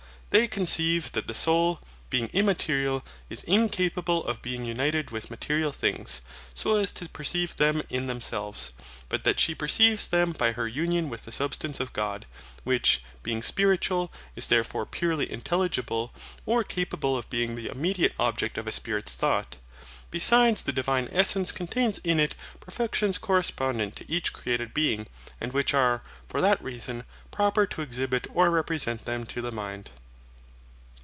They conceive that the soul, being immaterial, is incapable of being united with material things, so as to perceive them in themselves; but that she perceives them by her union with the substance of God, which, being spiritual, is therefore purely intelligible, or capable of being the immediate object of a spirit's thought. Besides the Divine essence contains in it perfections correspondent to each created being; and which are, for that reason, proper to exhibit or represent them to the mind.